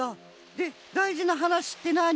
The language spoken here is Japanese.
でだいじなはなしってなあに？